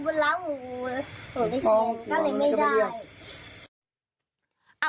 ก็เลยไม่ได้